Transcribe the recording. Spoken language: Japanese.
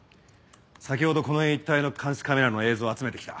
先ほどこの辺一帯の監視カメラの映像を集めて来た。